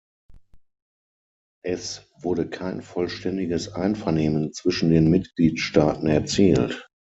Es wurde kein vollständiges Einvernehmen zwischen den Mitgliedstaaten erzielt.